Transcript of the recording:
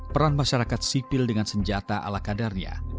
peran masyarakat sipil dengan senjata ala kadarnya